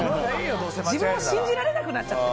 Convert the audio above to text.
自分を信じられなくなっちゃって。